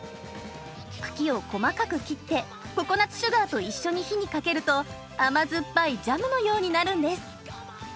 茎を細かく切ってココナツシュガーと一緒に火にかけると甘酸っぱいジャムのようになるんです。